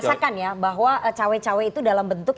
tapi itu dirasakan ya bahwa cawe cawe itu dalam bentuk